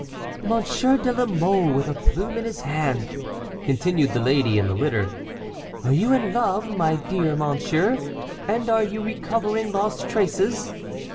"Monsieur de la Mole with a plume in his hand," continued the lady in the litter. "Are you in love, my dear monsieur, and are you recovering lost traces?"